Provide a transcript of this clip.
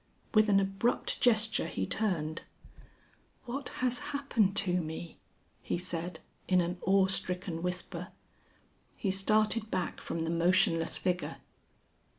With an abrupt gesture he turned. "What has happened to me?" he said, in an awe stricken whisper. He started back from the motionless figure.